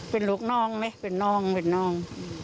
เป็นลูกน้องไหมเป็นน้องเป็นน้อง